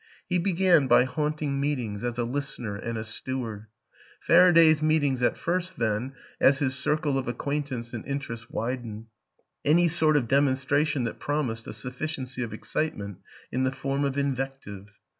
He began by haunting meetings as a listener and a steward; Faraday's meetings at first, then, as his circle of acquaintance and interest widened, any sort of demonstration that promised a sufficiency of ex citement in the form of invective.